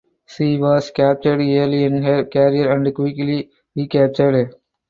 She was captured early in her career and quickly recaptured.